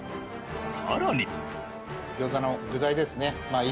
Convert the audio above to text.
さらに！